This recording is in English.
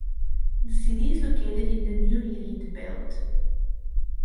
The city is located in the New Lead Belt.